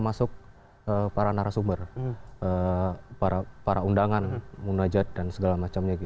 termasuk para narasumber para undangan munajat dan segala macamnya